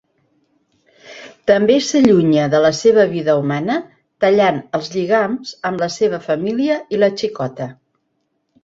També s'allunya de la seva vida humana, tallant els lligams amb la seva família i la xicota.